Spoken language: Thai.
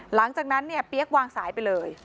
หลังจากนั้นเนี่ยเปี๊ยกวางสายไปเลย